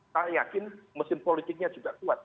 saya yakin mesin politiknya juga kuat